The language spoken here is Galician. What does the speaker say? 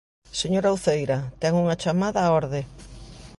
Señora Uceira, ten unha chamada á orde.